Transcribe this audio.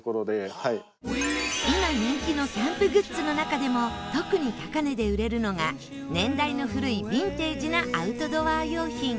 今人気のキャンプグッズの中でも特に高値で売れるのが年代の古いビンテージなアウトドア用品。